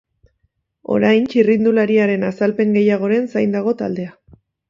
Orain, txirrindulariaren azalpen gehiagoren zain dago taldea.